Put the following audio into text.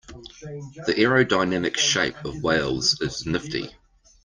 The aerodynamic shape of whales is nifty.